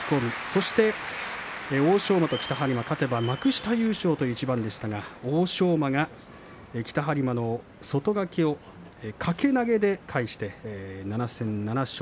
そして欧勝馬と北はり磨勝てば幕下優勝という一番でしたが欧勝馬が北はり磨の外掛けを掛け投げで返して７戦７勝。